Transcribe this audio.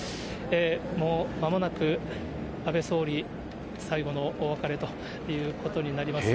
もうまもなく、安倍総理、最後のお別れということになります。